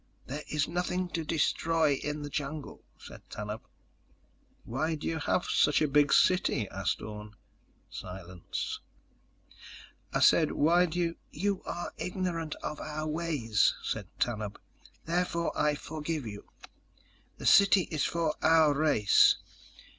"There is nothing to destroy in the jungle," said Tanub. "Why do you have such a big city?" asked Orne. Silence. "I said: Why do you—" "You are ignorant of our ways," said Tanub. "Therefore, I forgive you. The city is for our race.